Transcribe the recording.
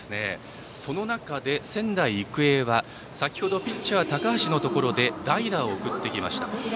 その中で、仙台育英は先程ピッチャー、高橋のところで代打を送ってきました。